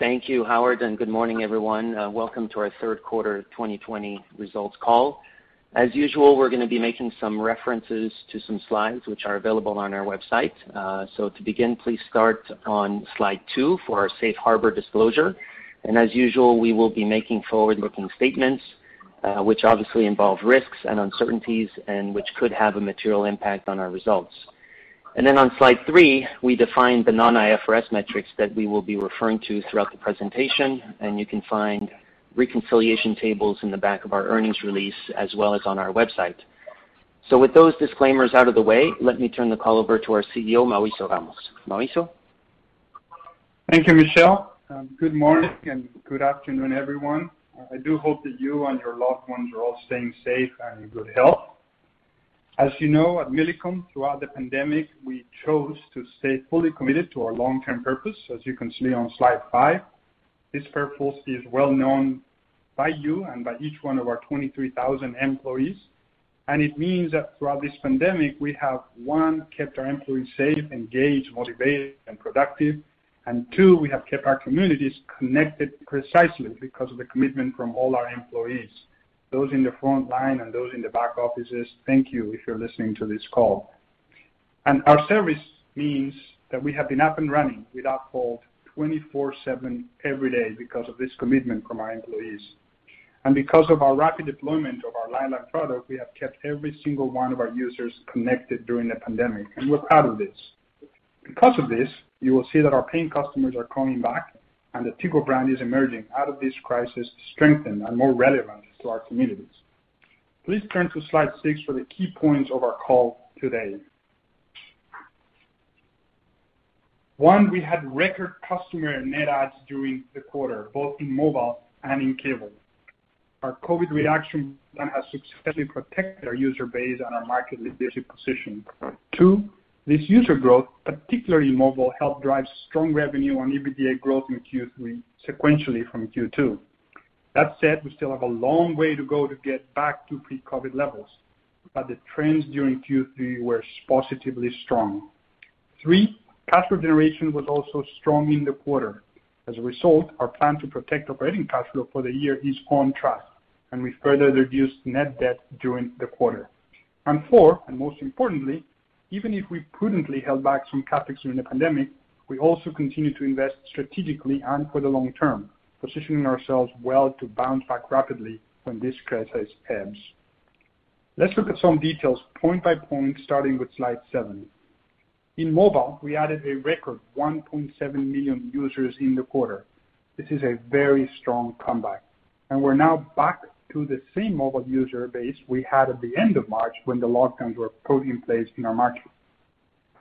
Thank you, Howard, good morning, everyone. Welcome to our third quarter 2020 results call. As usual, we're going to be making some references to some slides, which are available on our website. To begin, please start on slide two for our safe harbor disclosure. As usual, we will be making forward-looking statements, which obviously involve risks and uncertainties and which could have a material impact on our results. On slide three, we define the non-IFRS metrics that we will be referring to throughout the presentation, and you can find reconciliation tables in the back of our earnings release as well as on our website. With those disclaimers out of the way, let me turn the call over to our CEO, Mauricio Ramos. Mauricio? Thank you, Michel. Good morning and good afternoon, everyone. I do hope that you and your loved ones are all staying safe and in good health. As you know, at Millicom, throughout the pandemic, we chose to stay fully committed to our long-term purpose, as you can see on slide five. This purpose is well-known by you and by each one of our 23,000 employees. It means that throughout this pandemic, we have, one, kept our employees safe, engaged, motivated, and productive. Two, we have kept our communities connected precisely because of the commitment from all our employees. Those in the front line and those in the back offices, thank you if you're listening to this call. Our service means that we have been up and running without fault 24/7 every day because of this commitment from our employees. Because of our rapid deployment of our lifeline product, we have kept every single one of our users connected during the pandemic, and we're proud of this. Because of this, you will see that our paying customers are coming back and the Tigo brand is emerging out of this crisis strengthened and more relevant to our communities. Please turn to slide six for the key points of our call today. One. We had record customer net adds during the quarter, both in mobile and in cable. Our COVID reaction plan has successfully protected our user base and our market leadership position. Two. This user growth, particularly in mobile, helped drive strong revenue on EBITDA growth in Q3 sequentially from Q2. That said, we still have a long way to go to get back to pre-COVID levels. The trends during Q3 were positively strong. Three, cash flow generation was also strong in the quarter. As a result, our plan to protect operating cash flow for the year is on track, and we further reduced net debt during the quarter. Four, and most importantly, even if we prudently held back some CapEx during the pandemic, we also continued to invest strategically and for the long term, positioning ourselves well to bounce back rapidly when this crisis ebbs. Let's look at some details point by point, starting with slide seven. In mobile, we added a record 1.7 million users in the quarter. This is a very strong comeback. We're now back to the same mobile user base we had at the end of March when the lockdowns were put in place in our market.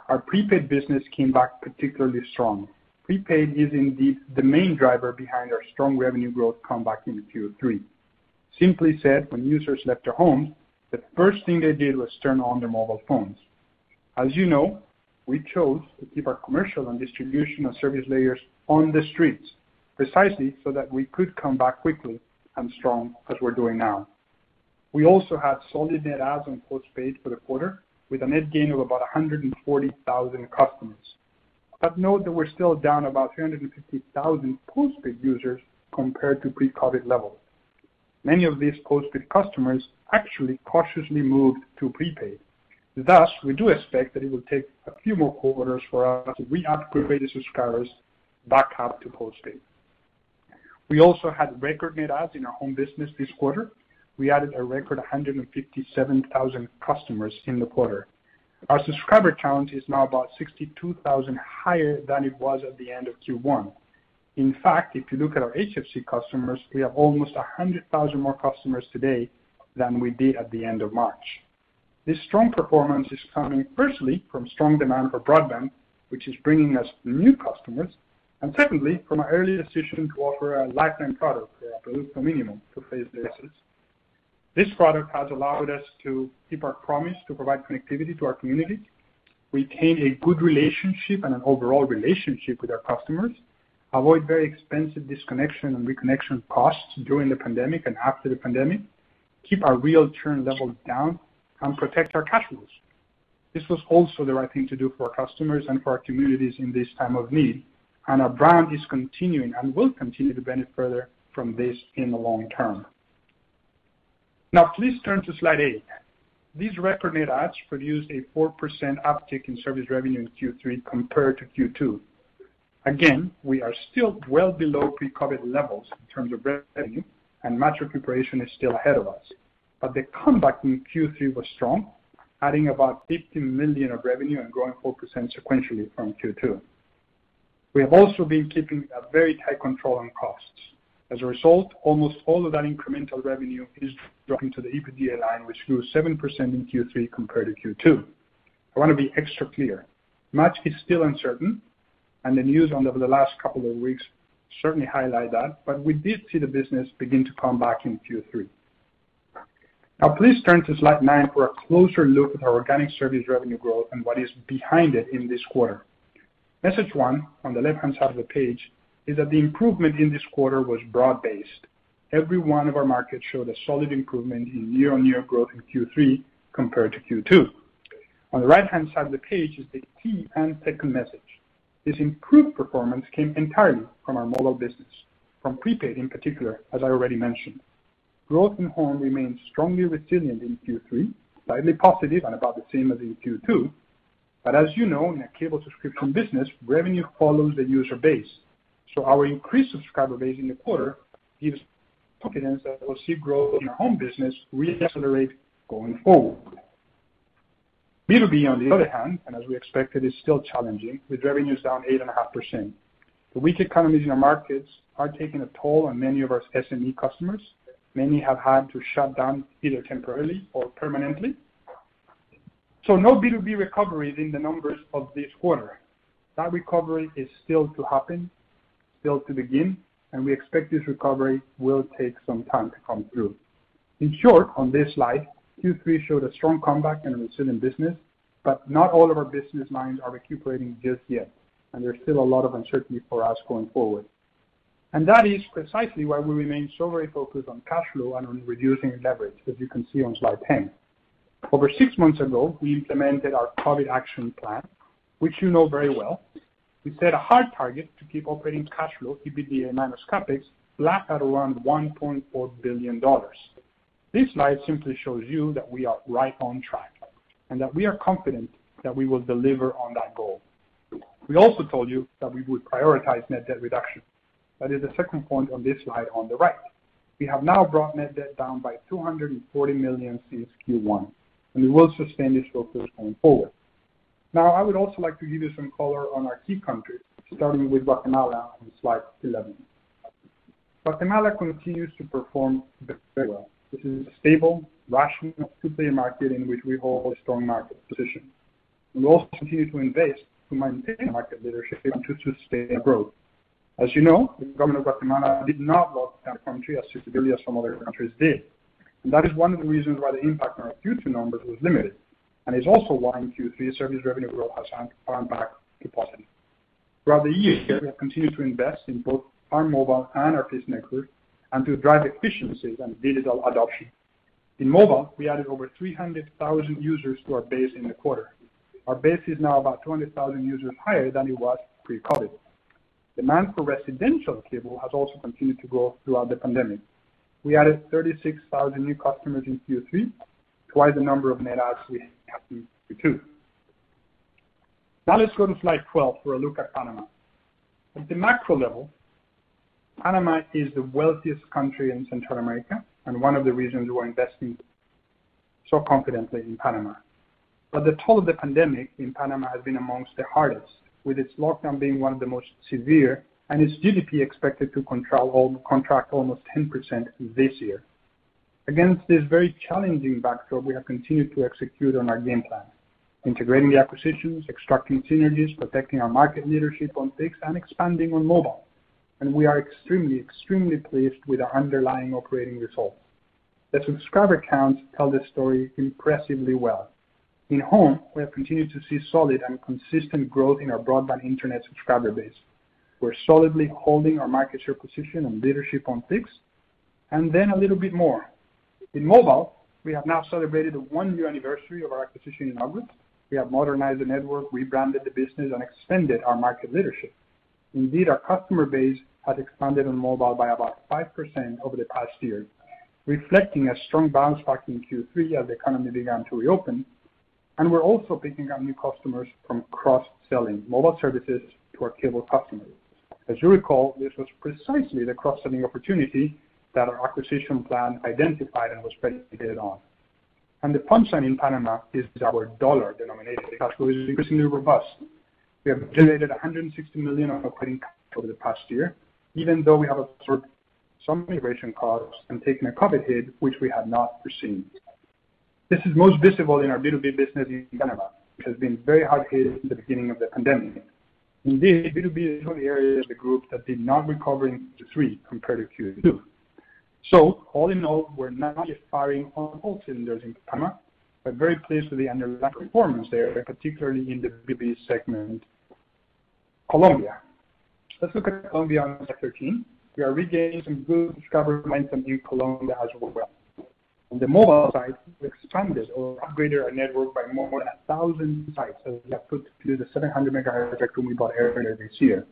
Our prepaid business came back particularly strong. Prepaid is indeed the main driver behind our strong revenue growth comeback into Q3. Simply said, when users left their homes, the first thing they did was turn on their mobile phones. As you know, we chose to keep our commercial and distribution and service layers on the streets precisely so that we could come back quickly and strong as we're doing now. We also had solid net adds on postpaid for the quarter, with a net gain of about 140,000 customers. Note that we're still down about 350,000 postpaid users compared to pre-COVID levels. Many of these postpaid customers actually cautiously moved to prepaid. We do expect that it will take a few more quarters for us to reacquire the subscribers back up to postpaid. We also had record net adds in our home business this quarter. We added a record 157,000 customers in the quarter. Our subscriber count is now about 62,000 higher than it was at the end of Q1. In fact, if you look at our HFC customers, we have almost 100,000 more customers today than we did at the end of March. This strong performance is coming firstly from strong demand for broadband, which is bringing us new customers, and secondly, from our early decision to offer a Lifeline product for a Producto Minimo. This product has allowed us to keep our promise to provide connectivity to our community, retain a good relationship and an overall relationship with our customers, avoid very expensive disconnection and reconnection costs during the pandemic and after the pandemic, keep our real churn levels down, and protect our cash flows. This was also the right thing to do for our customers and for our communities in this time of need, our brand is continuing and will continue to benefit further from this in the long term. Please turn to slide eight. These record net adds produced a 4% uptick in service revenue in Q3 compared to Q2. We are still well below pre-COVID levels in terms of revenue, much recuperation is still ahead of us. The comeback in Q3 was strong, adding about $50 million of revenue and growing 4% sequentially from Q2. We have also been keeping a very tight control on costs. Almost all of that incremental revenue is dropping to the EBITDA line, which grew 7% in Q3 compared to Q2. I want to be extra clear. Much is still uncertain, and the news over the last couple of weeks certainly highlight that, but we did see the business begin to come back in Q3. Now, please turn to slide nine for a closer look at our organic service revenue growth and what is behind it in this quarter. Message one, on the left-hand side of the page, is that the improvement in this quarter was broad-based. Every one of our markets showed a solid improvement in year-on-year growth in Q3 compared to Q2. On the right-hand side of the page is the key and take home message. This improved performance came entirely from our mobile business, from prepaid in particular, as I already mentioned. Growth in home remains strongly resilient in Q3, slightly positive and about the same as in Q2. As you know, in a cable subscription business, revenue follows the user base. Our increased subscriber base in the quarter gives confidence that we'll see growth in our home business re-accelerate going forward. B2B, on the other hand, and as we expected, is still challenging, with revenues down 8.5%. The weak economies in our markets are taking a toll on many of our SME customers. Many have had to shut down either temporarily or permanently. No B2B recovery is in the numbers of this quarter. That recovery is still to happen, still to begin, and we expect this recovery will take some time to come through. In short, on this slide, Q3 showed a strong comeback in a resilient business, but not all of our business lines are recuperating just yet, and there's still a lot of uncertainty for us going forward. That is precisely why we remain so very focused on cash flow and on reducing leverage, as you can see on slide 10. Over six months ago, we implemented our COVID action plan, which you know very well. We set a hard target to keep operating cash flow, EBITDA minus CapEx, flat at around $1.4 billion. This slide simply shows you that we are right on track and that we are confident that we will deliver on that goal. We also told you that we would prioritize net debt reduction. That is the second point on this slide on the right. We have now brought net debt down by $240 million since Q1, and we will sustain this focus going forward. I would also like to give you some color on our key countries, starting with Guatemala on slide 11. Guatemala continues to perform very well. This is a stable, rational, two-player market in which we hold a strong market position. We also continue to invest to maintain market leadership and to sustain growth. As you know, the government of Guatemala did not lock down the country as severely as some other countries did. That is one of the reasons why the impact on our Q2 numbers was limited, and is also why in Q3, service revenue growth has turned back to positive. Throughout the year, we have continued to invest in both our mobile and our fixed network and to drive efficiencies and digital adoption. In mobile, we added over 300,000 users to our base in the quarter. Our base is now about 200,000 users higher than it was pre-COVID. Demand for residential cable has also continued to grow throughout the pandemic. We added 36,000 new customers in Q3, twice the number of net adds we had in Q2. Let's go to slide 12 for a look at Panama. At the macro level, Panama is the wealthiest country in Central America and one of the reasons we're investing so confidently in Panama. The toll of the pandemic in Panama has been amongst the hardest, with its lockdown being one of the most severe and its GDP expected to contract almost 10% this year. Against this very challenging backdrop, we have continued to execute on our game plan, integrating the acquisitions, extracting synergies, protecting our market leadership on fixed and expanding on mobile. We are extremely pleased with the underlying operating results. The subscriber counts tell this story impressively well. In home, we have continued to see solid and consistent growth in our broadband internet subscriber base. We're solidly holding our market share position and leadership on fixed, and then a little bit more. In mobile, we have now celebrated the one-year anniversary of our acquisition in August. We have modernized the network, rebranded the business, and expanded our market leadership. Indeed, our customer base has expanded in mobile by about 5% over the past year, reflecting a strong bounce back in Q3 as the economy began to reopen. We're also picking up new customers from cross-selling mobile services to our cable customers. As you recall, this was precisely the cross-selling opportunity that our acquisition plan identified and was predicated on. The fun side in Panama is our dollar-denominated cash flow is increasingly robust. We have generated $160 million on operating cash over the past year, even though we have absorbed some integration costs and taking a COVID hit, which we had not foreseen. This is most visible in our B2B business in Panama, which has been very hard hit since the beginning of the pandemic. B2B is the only area of the group that did not recover in Q3 compared to Q2. All in all, we're not yet firing on all cylinders in Panama, but very pleased with the underlying performance there, particularly in the B2C segment. Colombia. Let's look at Colombia on slide 13. We are regaining some good subscriber momentum in Colombia as well. On the mobile side, we expanded or upgraded our network by more than 1,000 sites as we have put through the 700 MHz spectrum we bought earlier this year.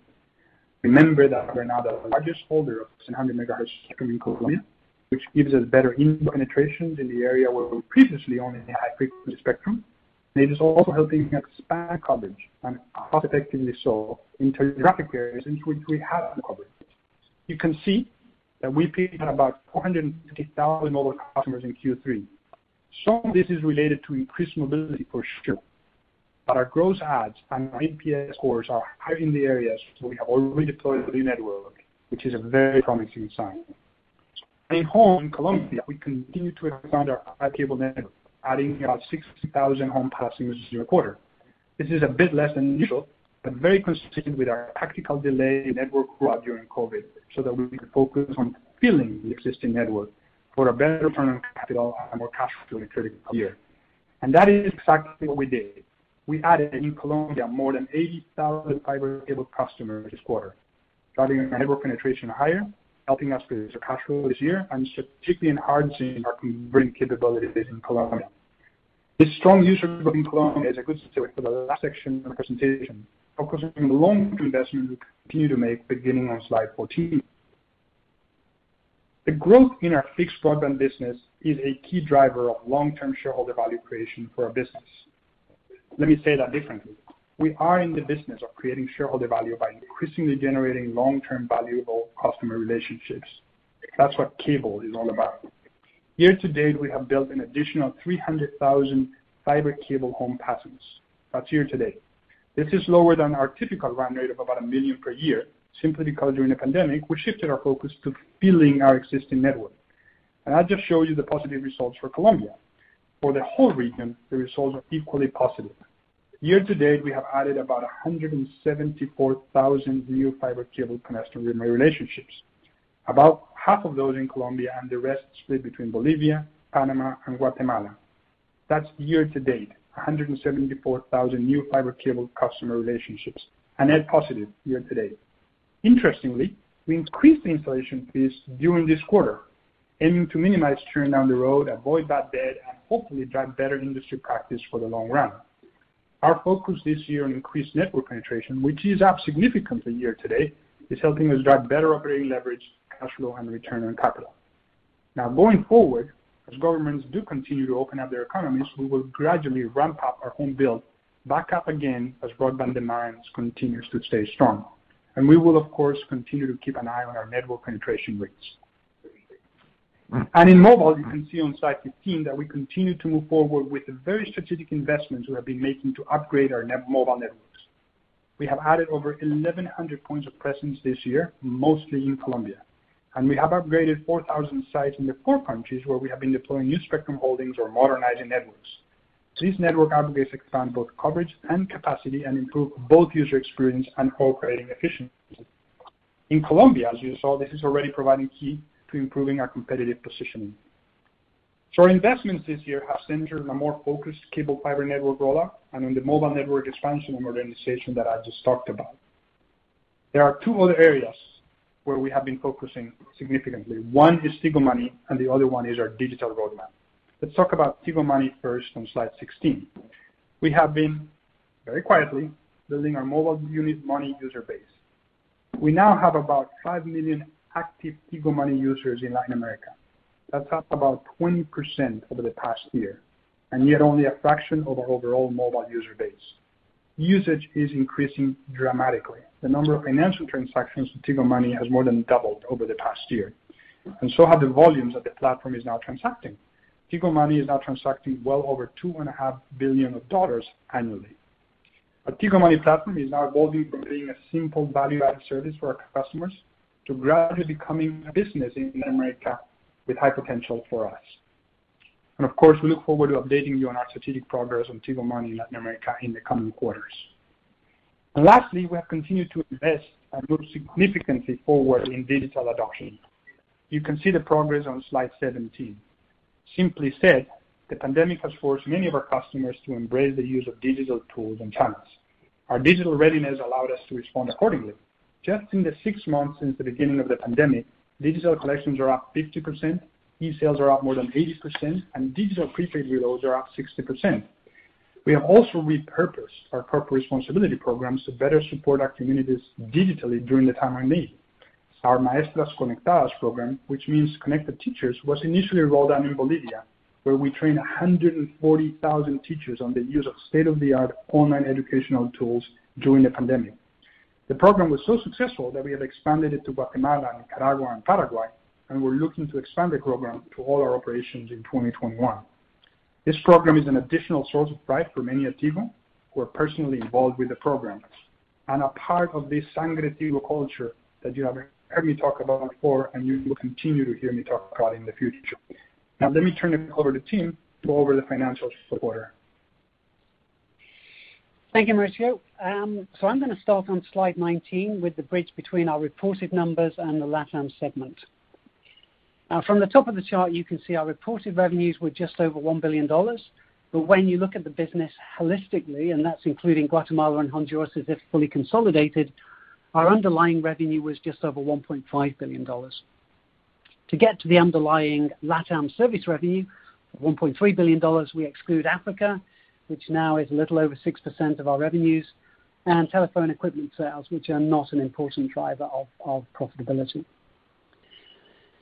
Remember that we're now the largest holder of 700 MHz spectrum in Colombia, which gives us better indoor penetrations in the area where we previously only had high-frequency spectrum. It is also helping us expand coverage and cost-effectively so into geographic areas in which we have no coverage. You can see that we peaked at about 450,000 mobile customers in Q3. Some of this is related to increased mobility for sure, but our gross adds and our NPS scores are high in the areas where we have already deployed the new network, which is a very promising sign. In home in Colombia, we continued to expand our fiber cable network, adding about 60,000 home passing this quarter. This is a bit less than usual, but very consistent with our tactical delay in network growth during COVID so that we could focus on filling the existing network for a better return on capital and more cash flow in a tricky year. That is exactly what we did. We added in Colombia more than 80,000 fiber cable customers this quarter. Driving network penetration higher, helping us with cash flow this year, and strategically enhancing our converting capabilities in Colombia. This strong user growth in Colombia is a good segue for the last section of the presentation, focusing on the long-term investment we continue to make, beginning on slide 14. The growth in our fixed broadband business is a key driver of long-term shareholder value creation for our business. Let me say that differently. We are in the business of creating shareholder value by increasingly generating long-term valuable customer relationships. That's what cable is all about. Year-to-date, we have built an additional 300,000 fiber cable home passes. That's year-to-date. This is lower than our typical run rate of about a million per year, simply because during the pandemic, we shifted our focus to building our existing network. I just showed you the positive results for Colombia. For the whole region, the results are equally positive. Year-to-date, we have added about 174,000 new fiber cable customer relationships. About half of those in Colombia, and the rest split between Bolivia, Panama, and Guatemala. That's year-to-date, 174,000 new fiber cable customer relationships. A net positive year-to-date. Interestingly, we increased the installation fees during this quarter, aiming to minimize churn down the road, avoid bad debt, and hopefully drive better industry practice for the long run. Our focus this year on increased network penetration, which is up significantly year-to-date, is helping us drive better operating leverage, cash flow, and return on capital. Going forward, as governments do continue to open up their economies, we will gradually ramp up our home build back up again as broadband demands continues to stay strong. We will, of course, continue to keep an eye on our network penetration rates. In mobile, you can see on slide 15 that we continue to move forward with the very strategic investments we have been making to upgrade our mobile networks. We have added over 1,100 points of presence this year, mostly in Colombia. We have upgraded 4,000 sites in the core countries where we have been deploying new spectrum holdings or modernizing networks. These network upgrades expand both coverage and capacity and improve both user experience and core operating efficiency. In Colombia, as you saw, this is already providing key to improving our competitive positioning. Our investments this year have centered on a more focused cable fiber network rollout and on the mobile network expansion and modernization that I just talked about. There are two other areas where we have been focusing significantly. One is Tigo Money, and the other one is our digital roadmap. Let's talk about Tigo Money first on slide 16. We have been very quietly building our mobile unit money user base. We now have about 5 million active Tigo Money users in Latin America. That's up about 20% over the past year, and yet only a fraction of our overall mobile user base. Usage is increasing dramatically. The number of financial transactions with Tigo Money has more than doubled over the past year, and so have the volumes that the platform is now transacting. Tigo Money is now transacting well over $2.5 billion annually. Our Tigo Money platform is now evolving from being a simple value-add service for our customers to gradually becoming a business in Latin America with high potential for us. Of course, we look forward to updating you on our strategic progress on Tigo Money Latin America in the coming quarters. Lastly, we have continued to invest and move significantly forward in digital adoption. You can see the progress on slide 17. Simply said, the pandemic has forced many of our customers to embrace the use of digital tools and channels. Our digital readiness allowed us to respond accordingly. Just in the six months since the beginning of the pandemic, digital collections are up 50%, e-sales are up more than 80%, and digital prepaid reloads are up 60%. We have also repurposed our corporate responsibility programs to better support our communities digitally during the time of need. Our Maestr@s Conectad@s program, which means Connected Teachers, was initially rolled out in Bolivia, where we trained 140,000 teachers on the use of state-of-the-art online educational tools during the pandemic. The program was so successful that we have expanded it to Guatemala and Nicaragua and Paraguay, and we're looking to expand the program to all our operations in 2021. This program is an additional source of pride for many at Tigo, who are personally involved with the programs, and are part of this Sangre Tigo culture that you have heard me talk about before, and you will continue to hear me talk about in the future, too. Now let me turn it over to Tim to go over the financials for the quarter. Thank you, Mauricio. I'm going to start on slide 19 with the bridge between our reported numbers and the LatAm segment. From the top of the chart, you can see our reported revenues were just over $1 billion. When you look at the business holistically, and that's including Guatemala and Honduras as if fully consolidated, our underlying revenue was just over $1.5 billion. To get to the underlying LatAm service revenue of $1.3 billion, we exclude Africa, which now is a little over 6% of our revenues, and telephone equipment sales, which are not an important driver of profitability.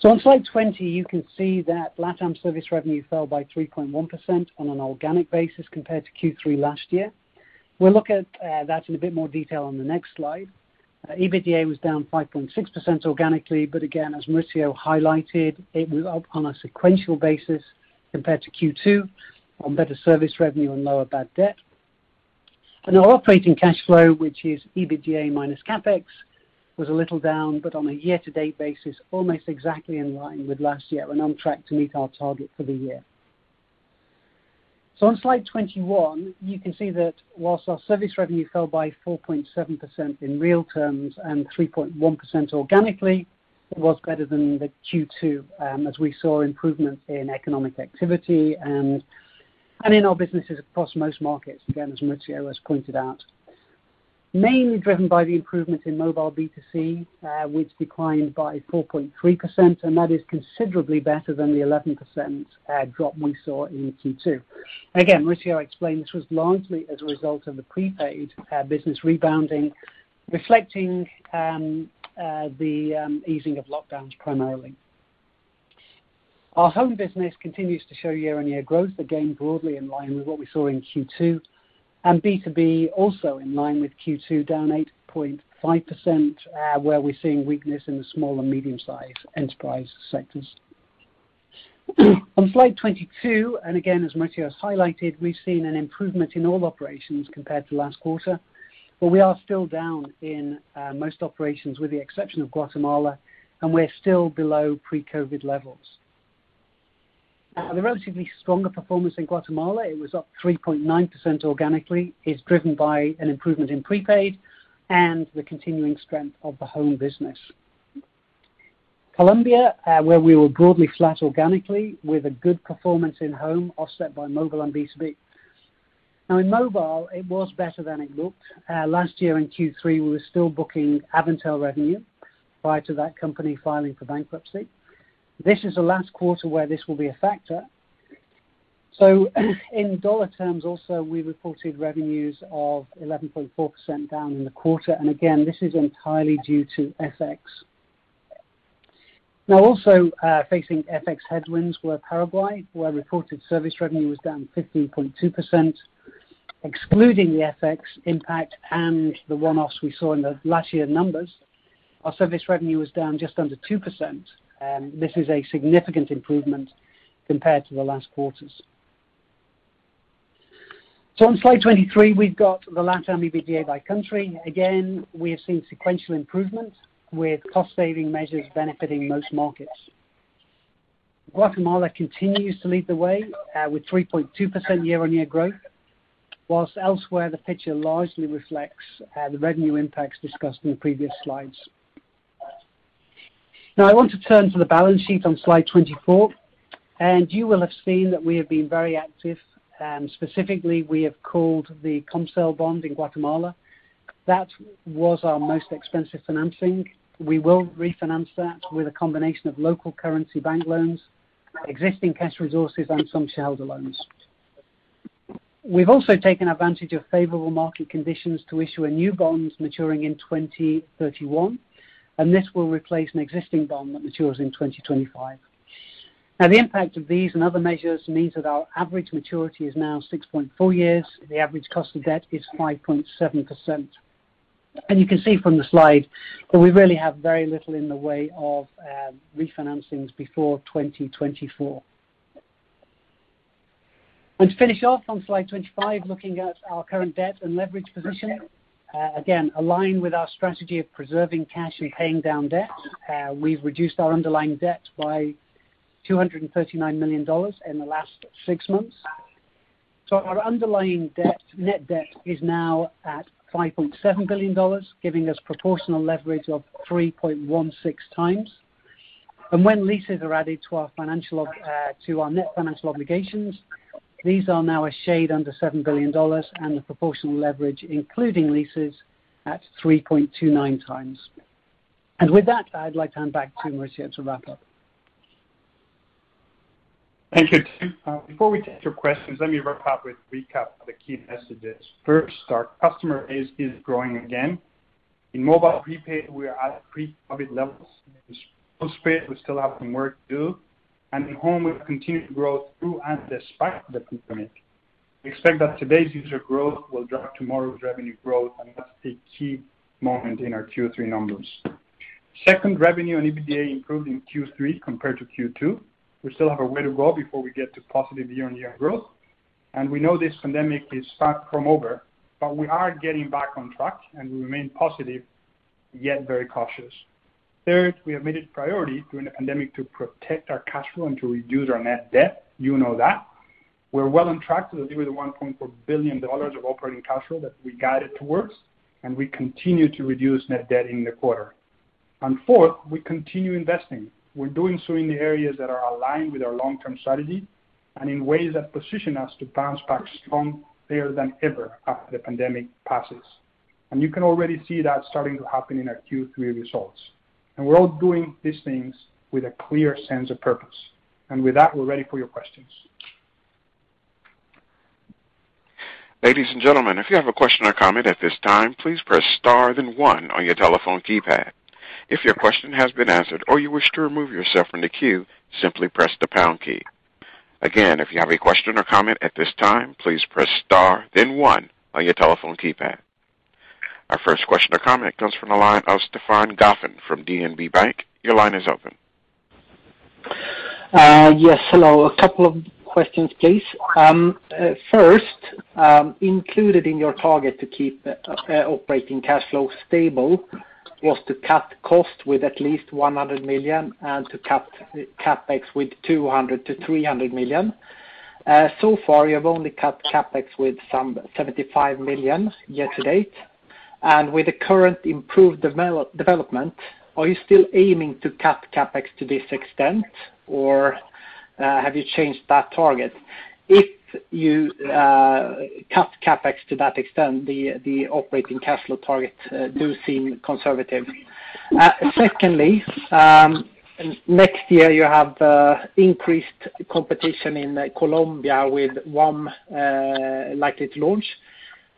On slide 20, you can see that LatAm service revenue fell by 3.1% on an organic basis compared to Q3 last year. We'll look at that in a bit more detail on the next slide. EBITDA was down 5.6% organically. Again, as Mauricio highlighted, it was up on a sequential basis compared to Q2 on better service revenue and lower bad debt. Our operating cash flow, which is EBITDA minus CapEx, was a little down. On a year-to-date basis, almost exactly in line with last year. We're on track to meet our target for the year. On slide 21, you can see that whilst our service revenue fell by 4.7% in real terms and 3.1% organically, it was better than the Q2, as we saw improvements in economic activity. In our businesses across most markets, again, as Mauricio has pointed out. Mainly driven by the improvements in mobile B2C, which declined by 4.3%. That is considerably better than the 11% drop we saw in Q2. Mauricio explained this was largely as a result of the prepaid business rebounding, reflecting the easing of lockdowns primarily. Our home business continues to show year-on-year growth, again, broadly in line with what we saw in Q2. B2B also in line with Q2, down 8.5%, where we're seeing weakness in the small and medium-size enterprise sectors. On slide 22, again, as Mauricio has highlighted, we've seen an improvement in all operations compared to last quarter, but we are still down in most operations, with the exception of Guatemala, and we're still below pre-COVID levels. The relatively stronger performance in Guatemala, it was up 3.9% organically, is driven by an improvement in prepaid and the continuing strength of the home business. Colombia, where we were broadly flat organically with a good performance in home, offset by mobile and B2B. In mobile, it was better than it looked. Last year in Q3, we were still booking Avantel revenue prior to that company filing for bankruptcy. This is the last quarter where this will be a factor. In dollar terms also, we reported revenues of 11.4% down in the quarter, this is entirely due to FX. Also facing FX headwinds were Paraguay, where reported service revenue was down 15.2%, excluding the FX impact and the one-offs we saw in the last year numbers. Our service revenue was down just under 2%, this is a significant improvement compared to the last quarters. On slide 23, we've got the LatAm EBITDA by country. Again, we have seen sequential improvement with cost-saving measures benefiting most markets. Guatemala continues to lead the way with 3.2% year-on-year growth, whilst elsewhere, the picture largely reflects the revenue impacts discussed in the previous slides. I want to turn to the balance sheet on slide 24, and you will have seen that we have been very active. Specifically, we have called the Comcel bond in Guatemala. That was our most expensive financing. We will refinance that with a combination of local currency bank loans, existing cash resources, and some shareholder loans. We've also taken advantage of favorable market conditions to issue new bonds maturing in 2031, and this will replace an existing bond that matures in 2025. The impact of these and other measures means that our average maturity is now 6.4 years. The average cost of debt is 5.7%. You can see from the slide that we really have very little in the way of refinancings before 2024. To finish off on slide 25, looking at our current debt and leverage position. Again, aligned with our strategy of preserving cash and paying down debt, we've reduced our underlying debt by $239 million in the last six months. Our underlying net debt is now at $5.7 billion, giving us proportional leverage of 3.16x. When leases are added to our net financial obligations, these are now a shade under $7 billion, and the proportional leverage, including leases, at 3.29x. With that, I'd like to hand back to Mauricio to wrap up. Thank you, Tim. Before we take your questions, let me wrap up with recap of the key messages. First, our customer base is growing again. In mobile prepaid, we are at pre-COVID levels. In post-paid, we still have some work to do, and in home, we've continued to grow through and despite the pandemic. We expect that today's user growth will drive tomorrow's revenue growth, and that's the key moment in our Q3 numbers. Second, revenue and EBITDA improved in Q3 compared to Q2. We still have a way to go before we get to positive year-on-year growth, and we know this pandemic is far from over, but we are getting back on track, and we remain positive, yet very cautious. Third, we have made it a priority during the pandemic to protect our cash flow and to reduce our net debt. You know that. We're well on track to deliver the $1.4 billion of operating cash flow that we guided towards, we continue to reduce net debt in the quarter. Fourth, we continue investing. We're doing so in the areas that are aligned with our long-term strategy and in ways that position us to bounce back stronger than ever after the pandemic passes. You can already see that starting to happen in our Q3 results. We're all doing these things with a clear sense of purpose. With that, we're ready for your questions. Our first question or comment comes from the line of Stefan Gauffin from DNB Bank. Your line is open. Yes. Hello. A couple of questions, please. First, included in your target to keep operating cash flow stable was to cut cost with at least $100 million and to cut CapEx with $200 million-$300 million. So far, you have only cut CapEx with some $75 million year to date. With the current improved development, are you still aiming to cut CapEx to this extent, or have you changed that target? If you cut CapEx to that extent, the operating cash flow targets do seem conservative. Secondly, next year you have increased competition in Colombia with WOM likely to launch.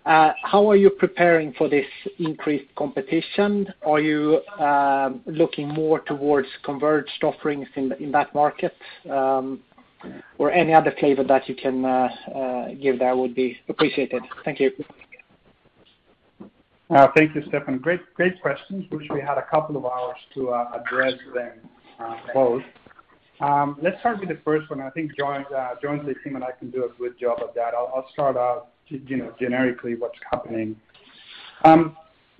How are you preparing for this increased competition? Are you looking more towards converged offerings in that market? Any other flavor that you can give there would be appreciated. Thank you. Thank you, Stefan. Great questions. Wish we had a couple of hours to address them both. Let's start with the first one. I think Tim's team and I can do a good job of that. I'll start out generically what's happening.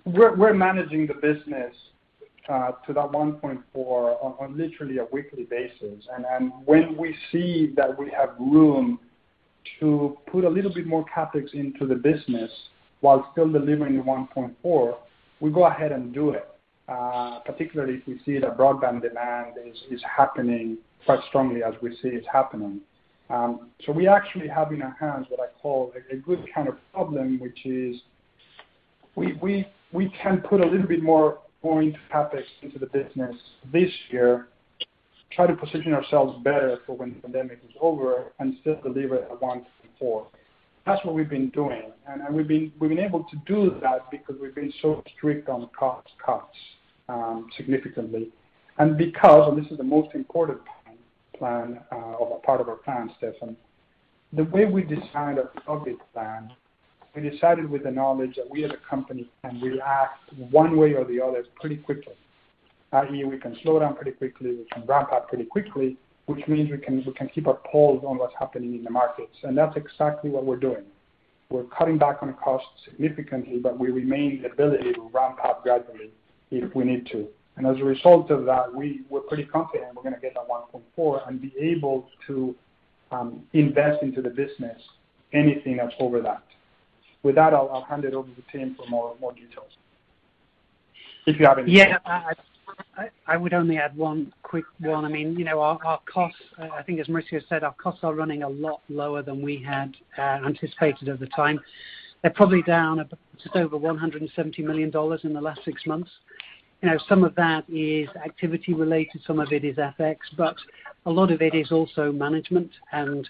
We're managing the business to that 1.4 on literally a weekly basis. When we see that we have room to put a little bit more CapEx into the business while still delivering the 1.4, we go ahead and do it, particularly if we see the broadband demand is happening quite strongly as we see it's happening. We actually have in our hands what I call a good kind of problem, which is we can put a little bit more going CapEx into the business this year, try to position ourselves better for when the pandemic is over and still deliver a 1.4. That's what we've been doing. We've been able to do that because we've been so strict on cost cuts significantly. Because, this is the most important part of our plan, Stefan, the way we designed our budget plan, we decided with the knowledge that we as a company can react one way or the other pretty quickly. That year, we can slow down pretty quickly, we can ramp up pretty quickly, which means we can keep a pulse on what's happening in the markets. That's exactly what we're doing. We're cutting back on costs significantly, but we retain the ability to ramp up gradually if we need to. As a result of that, we're pretty confident we're going to get that 1.4 and be able to invest into the business anything that's over that. With that, I'll hand it over to Tim for more details. If you have any. I would only add one quick one. I think as Mauricio said, our costs are running a lot lower than we had anticipated at the time. They're probably down just over $170 million in the last six months. Some of that is activity-related, some of it is FX, a lot of it is also management. As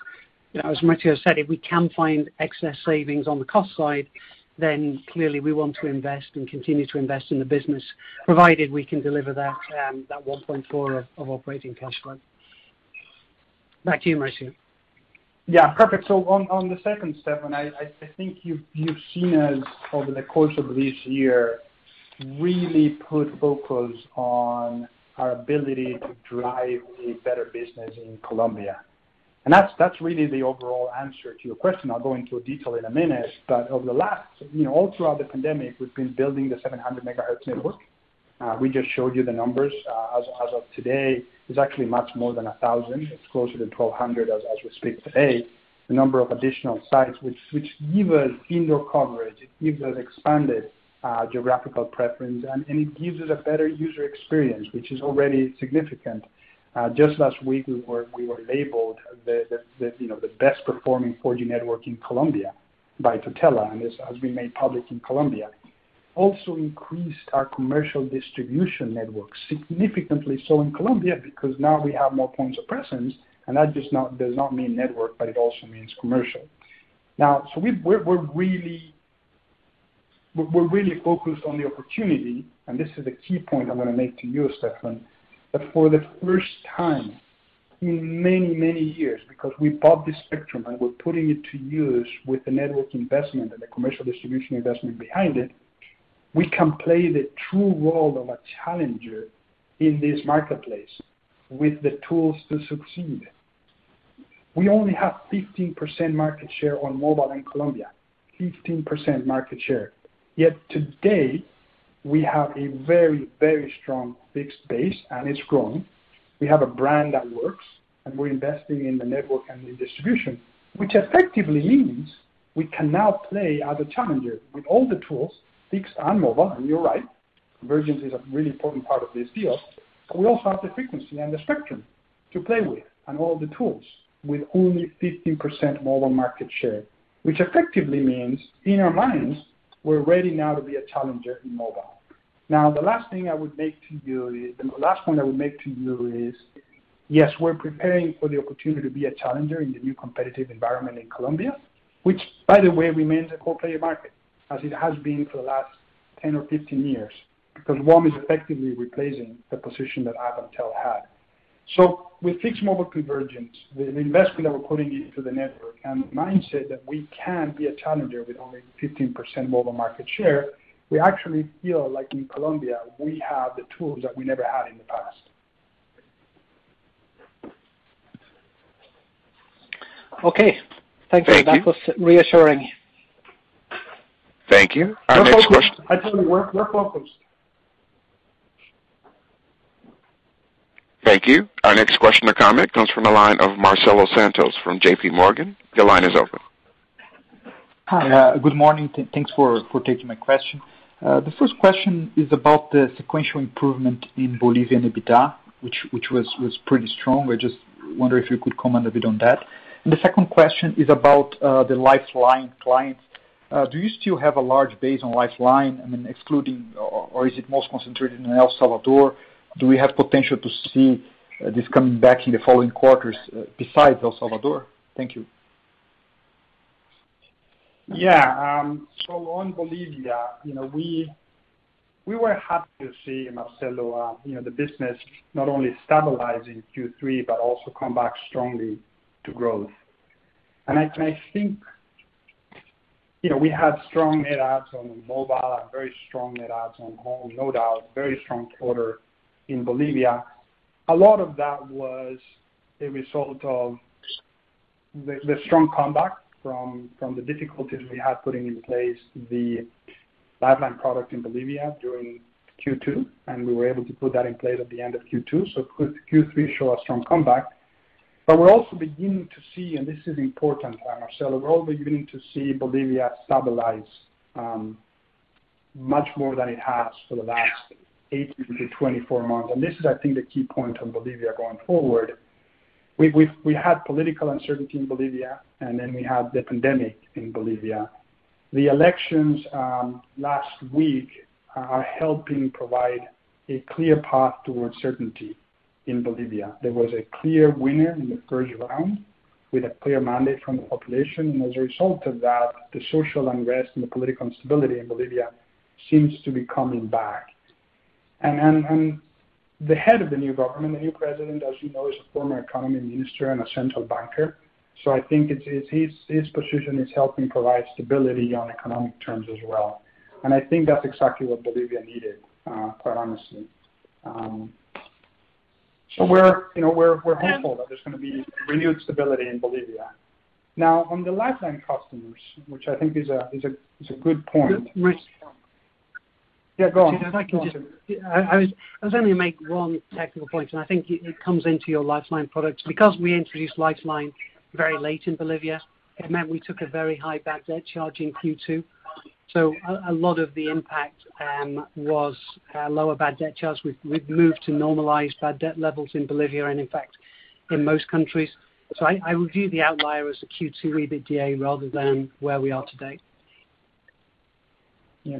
Mauricio said, if we can find excess savings on the cost side, then clearly we want to invest and continue to invest in the business, provided we can deliver that 1.4 of operating cash flow. Back to you, Mauricio. Yeah. Perfect. On the second, Stefan, I think you've seen us over the course of this year really put focus on our ability to drive a better business in Colombia. That's really the overall answer to your question. I'll go into a detail in a minute, but all throughout the pandemic, we've been building the 700 MHz network. We just showed you the numbers. As of today, it's actually much more than 1,000. It's closer to 1,200 as we speak today. The number of additional sites which give us indoor coverage, it gives us expanded geographical preference, and it gives us a better user experience, which is already significant. Just last week, we were labeled the best performing 4G network in Colombia by Tutela, and this has been made public in Colombia. Also increased our commercial distribution network significantly so in Colombia, because now we have more points of presence, and that does not mean network, but it also means commercial. Now, we're really focused on the opportunity, and this is the key point I'm going to make to you, Stefan, that for the first time in many, many years, because we bought this spectrum and we're putting it to use with the network investment and the commercial distribution investment behind it, we can play the true role of a challenger in this marketplace with the tools to succeed. We only have 15% market share on mobile in Colombia, 15% market share. Today, we have a very, very strong fixed base, and it's growing. We have a brand that works. We are investing in the network and the distribution, which effectively means we can now play as a challenger with all the tools, fixed and mobile. You are right, convergence is a really important part of this deal. We also have the frequency and the spectrum to play with and all the tools with only 15% mobile market share, which effectively means in our minds, we are ready now to be a challenger in mobile. The last point I would make to you is, yes, we are preparing for the opportunity to be a challenger in the new competitive environment in Colombia, which, by the way, remains a four-player market as it has been for the last 10 or 15 years, because WOM is effectively replacing the position that Avantel had. With fixed mobile convergence, the investment that we're putting into the network and the mindset that we can be a challenger with only 15% mobile market share, we actually feel like in Colombia, we have the tools that we never had in the past. Okay. Thank you. Thank you. That was reassuring. Thank you. Our next question. We're focused. Thank you. Our next question or comment comes from the line of Marcelo Santos from JPMorgan. Your line is open. Hi. Good morning. Thanks for taking my question. The first question is about the sequential improvement in Bolivia and EBITDA, which was pretty strong. I just wonder if you could comment a bit on that. The second question is about the Lifeline client. Do you still have a large base on Lifeline? I mean excluding, or is it most concentrated in El Salvador? Do we have potential to see this coming back in the following quarters besides El Salvador? Thank you. On Bolivia, we were happy to see, Marcelo, the business not only stabilize in Q3, but also come back strongly to growth. I think we had strong add-ons on mobile and very strong add-ons on home, no doubt, very strong quarter in Bolivia. A lot of that was a result of the strong comeback from the difficulties we had putting in place the Lifeline product in Bolivia during Q2, and we were able to put that in place at the end of Q2. Q3 show a strong comeback. We're also beginning to see, and this is important, Marcelo, we're beginning to see Bolivia stabilize much more than it has for the last 18 to 24 months. This is, I think, the key point on Bolivia going forward. We had political uncertainty in Bolivia, and then we had the pandemic in Bolivia. The elections last week are helping provide a clear path towards certainty in Bolivia. There was a clear winner in the first round with a clear mandate from the population, and as a result of that, the social unrest and the political instability in Bolivia seems to be coming back. The head of the new government, the new president, as you know, is a former economy minister and a central banker. I think his position is helping provide stability on economic terms as well. I think that's exactly what Bolivia needed, quite honestly. We're hopeful that there's going to be renewed stability in Bolivia. Now, on the Lifeline customers, which I think is a good point. Yeah, go on. If I can just make one tactical point. I think it comes into your Lifeline products. We introduced Lifeline very late in Bolivia. It meant we took a very high bad debt charge in Q2. A lot of the impact was lower bad debt charge. We've moved to normalize bad debt levels in Bolivia and, in fact, in most countries. I would view the outlier as the Q2 EBITDA rather than where we are today. Yeah.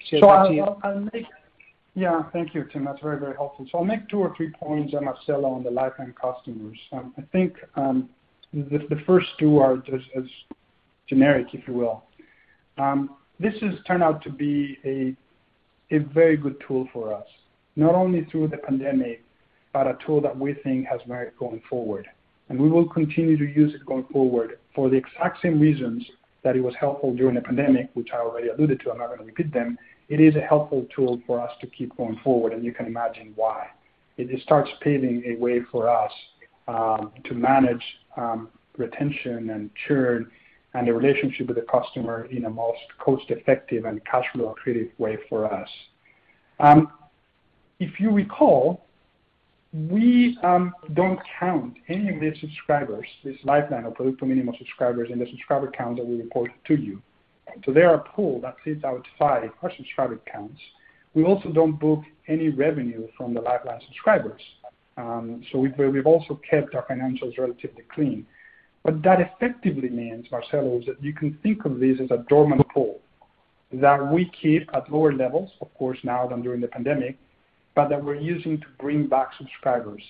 I'll save that to you. Yeah, thank you, Tim. That's very helpful. I'll make two or three points, Marcelo, on the Lifeline customers. I think the first two are just as generic, if you will. This has turned out to be a very good tool for us, not only through the pandemic, but a tool that we think has merit going forward. We will continue to use it going forward for the exact same reasons that it was helpful during the pandemic, which I already alluded to. I'm not going to repeat them. It is a helpful tool for us to keep going forward, and you can imagine why. It starts paving a way for us to manage retention and churn and the relationship with the customer in a most cost-effective and cash flow creative way for us. If you recall, we don't count any of these subscribers, this Lifeline or Producto Minimo subscribers in the subscriber count that we report to you. They're a pool that sits outside our subscriber counts. We also don't book any revenue from the Lifeline subscribers. We've also kept our financials relatively clean. What that effectively means, Marcelo, is that you can think of this as a dormant pool that we keep at lower levels, of course, now than during the pandemic, but that we're using to bring back subscribers.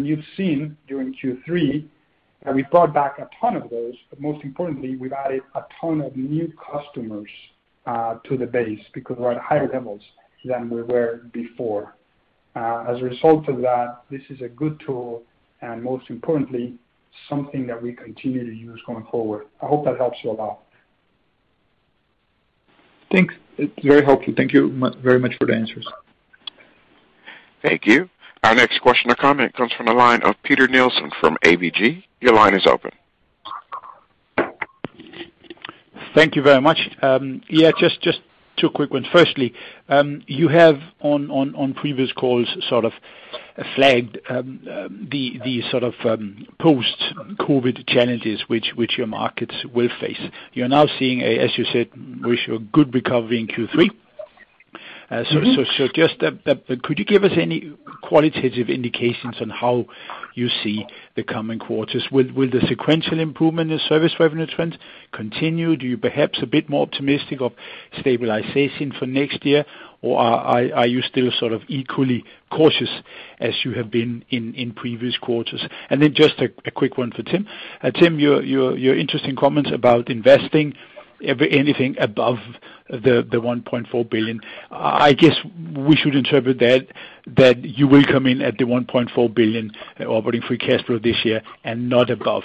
You've seen during Q3 that we brought back a ton of those, but most importantly, we've added a ton of new customers to the base because we're at higher levels than we were before. As a result of that, this is a good tool, and most importantly, something that we continue to use going forward. I hope that helps you a lot. Thanks. It's very helpful. Thank you very much for the answers. Thank you. Our next question or comment comes from the line of Peter Nielsen from ABG. Your line is open. Thank you very much. Just two quick ones. Firstly, you have on previous calls sort of flagged the sort of post-COVID challenges which your markets will face. You are now seeing, as you said, with your good recovery in Q3. Just could you give us any qualitative indications on how you see the coming quarters? Will the sequential improvement in service revenue trends continue? Do you perhaps a bit more optimistic of stabilization for next year? Are you still sort of equally cautious as you have been in previous quarters? Just a quick one for Tim. Tim, your interesting comments about investing anything above the $1.4 billion. I guess we should interpret that you will come in at the $1.4 billion operating free cash flow this year and not above,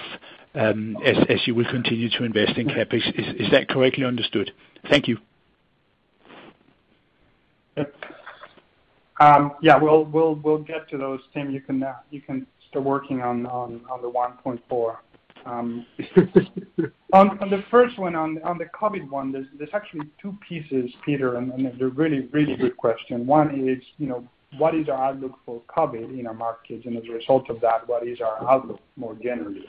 as you will continue to invest in CapEx. Is that correctly understood? Thank you. We'll get to those, Tim. You can start working on the 1.4. On the first one, on the COVID one, there's actually two pieces, Peter. They're really good questions. One is, what is our outlook for COVID in our markets, and as a result of that, what is our outlook more generally?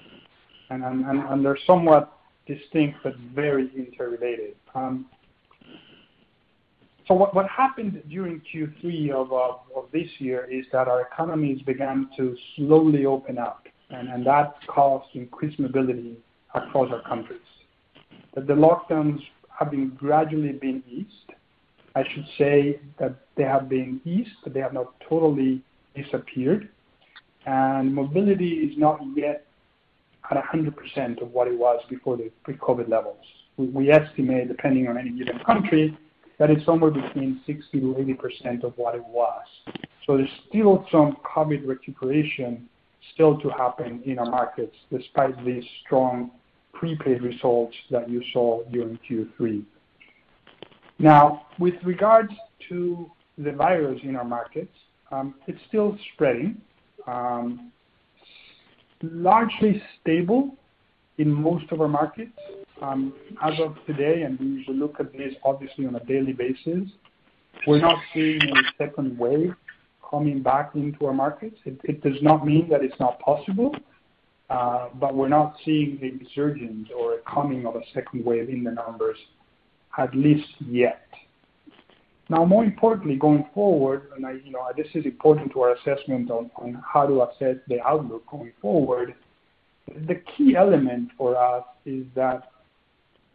They're somewhat distinct but very interrelated. What happened during Q3 of this year is that our economies began to slowly open up, and that caused increased mobility across our countries. The lockdowns have been gradually been eased. I should say that they have been eased, but they have not totally disappeared. Mobility is not yet at 100% of what it was before the pre-COVID levels. We estimate, depending on any given country, that it's somewhere between 60%-80% of what it was. There's still some COVID recuperation still to happen in our markets, despite the strong prepaid results that you saw during Q3. With regards to the virus in our markets, it's still spreading. Largely stable in most of our markets. As of today, and we look at this obviously on a daily basis, we're not seeing a second wave coming back into our markets. It does not mean that it's not possible, but we're not seeing a resurgent or a coming of a second wave in the numbers, at least yet. More importantly, going forward, and this is important to our assessment on how to assess the outlook going forward, the key element for us is that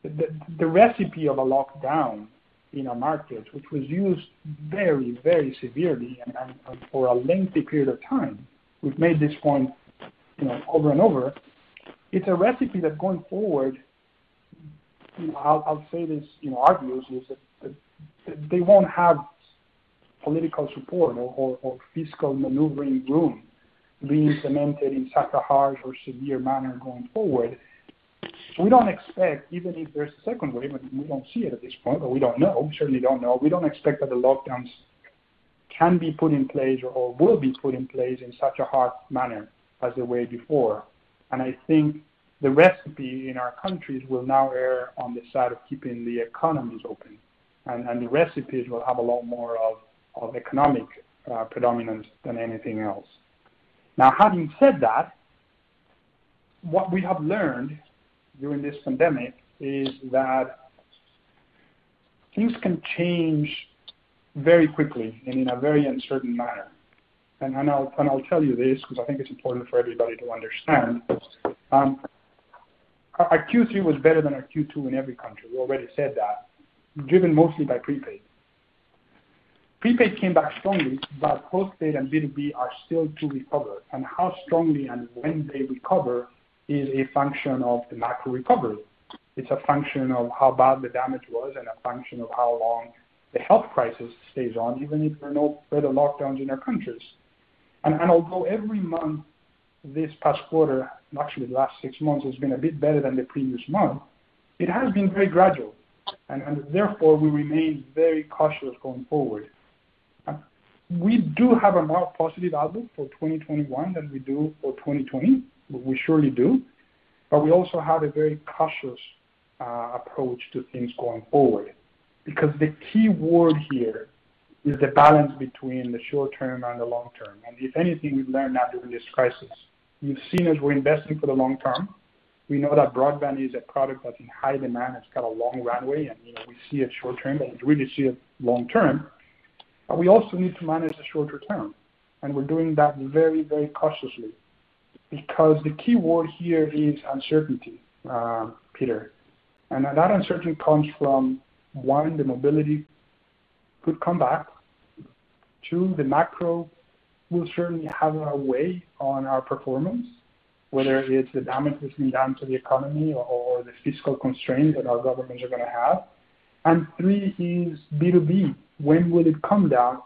the recipe of a lockdown in our markets, which was used very severely and for a lengthy period of time. We've made this point over and over. It's a recipe that going forward, I'll say this, our view is that they won't have political support or fiscal maneuvering room being cemented in such a harsh or severe manner going forward. We don't expect, even if there's a second wave, and we don't see it at this point, but we don't know. We certainly don't know. We don't expect that the lockdowns can be put in place or will be put in place in such a harsh manner as the way before. I think the recipe in our countries will now err on the side of keeping the economies open. The recipes will have a lot more of economic predominance than anything else. Having said that, what we have learned during this pandemic is that things can change very quickly and in a very uncertain manner. I'll tell you this because I think it's important for everybody to understand. Our Q3 was better than our Q2 in every country. We already said that, driven mostly by prepaid. Prepaid came back strongly, but postpaid and B2B are still to recover. How strongly and when they recover is a function of the macro recovery. It's a function of how bad the damage was and a function of how long the health crisis stays on, even if there are no further lockdowns in our countries. Although every month this past quarter, actually the last six months, has been a bit better than the previous month, it has been very gradual, and therefore we remain very cautious going forward. We do have a more positive outlook for 2021 than we do for 2020, we surely do. We also have a very cautious approach to things going forward, because the key word here is the balance between the short term and the long term. If anything we've learned that during this crisis. You've seen us, we're investing for the long term. We know that broadband is a product that's in high demand. It's got a long runway, and we see it short term, but we really see it long term. We also need to manage the shorter term, and we're doing that very cautiously. The key word here is uncertainty, Peter. That uncertainty comes from, one, the mobility could come back. Two, the macro will certainly have a way on our performance, whether it's the damage that's been done to the economy or the fiscal constraint that our governments are going to have. Three is B2B. When will it come back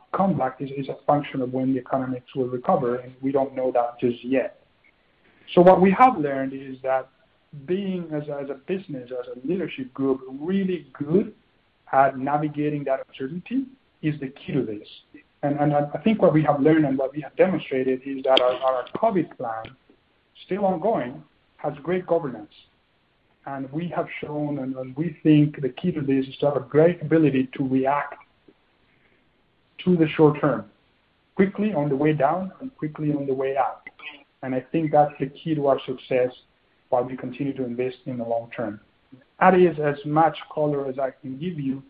is a function of when the economics will recover, and we don't know that just yet. What we have learned is that being as a business, as a leadership group, really good at navigating that uncertainty is the key to this. I think what we have learned and what we have demonstrated is that our COVID plan, still ongoing, has great governance. We have shown, and we think the key to this is to have a great ability to react to the short term quickly on the way down and quickly on the way up. I think that's the key to our success while we continue to invest in the long term. That is as much color as I can give you.